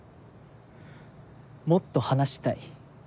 もっと話したい。